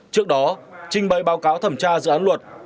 trước đó trình bày báo cáo thẩm tra dự án luật